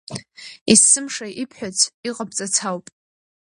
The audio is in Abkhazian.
Ессымша ибҳәац, иҟабҵац ауп.